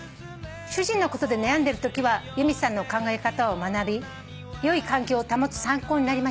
「主人のことで悩んでるときは由美さんの考え方を学びよい関係を保つ参考になりました」